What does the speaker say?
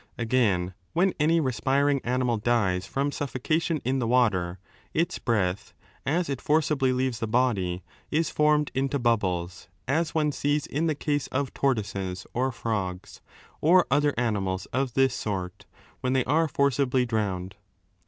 Again, when any respiring animal dies 471 d from suffocation in the water, its breath, as it forcibly leaves the body, is formed into bubbles, as one sees in the case of tortoises or firogs, or other animals of this sort, when they are forcibly drowned.